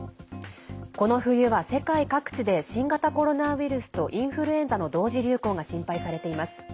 この冬は、世界各地で新型コロナウイルスとインフルエンザの同時流行が心配されています。